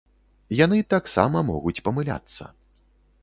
Яны таксама могуць памыляцца.